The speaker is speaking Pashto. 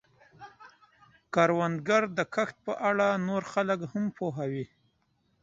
کروندګر د کښت په اړه نور خلک هم پوهوي